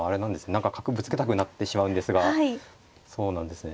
何か角ぶつけたくなってしまうんですがそうなんですね。